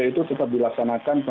had solekan beban dan hilangekan diri